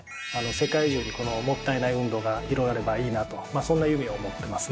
世界中にこのもったいない運動が広がればいいなとそんな夢を持ってますね。